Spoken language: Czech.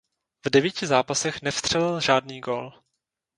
V devíti zápasech nevstřelil žádný gól.